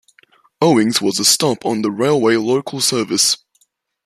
Owings was a stop on the railway local service.